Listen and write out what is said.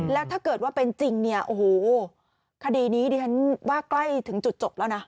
แล้วถ้าเกิดว่าเป็นจริงเนี่ยโอ้โหคดีนี้ดิฉันว่าใกล้ถึงจุดจบแล้วนะ